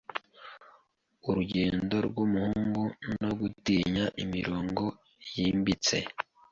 Urugendo rwumuhungu no gutinya imirongo yimbitse